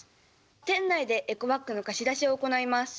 店内でエコバッグの貸出を行います。